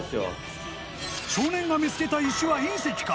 少年が見つけた石は隕石か？